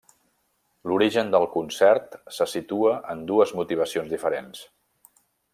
L'origen del concert se situa en dues motivacions diferents.